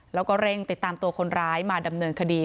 แล้วก็เร่งติดตามตัวคนร้ายมาดำเนินคดี